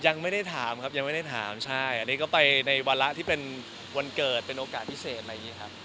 ยังไม่ได้ถามครับยังไม่ได้ถามใช่อันนี้ก็ไปในวาระที่เป็นวันเกิดเป็นโอกาสพิเศษอะไรอย่างนี้ครับ